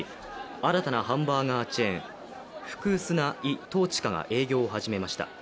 新たなハンバーガーチェーンフクースナ・イ・トーチカが営業を始めました。